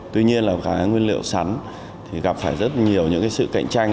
tuy nhiên là các nguyên liệu sắn gặp phải rất nhiều sự cạnh tranh